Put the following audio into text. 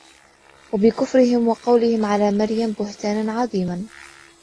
وبكفرهم وقولهم على مريم بهتانا عظيما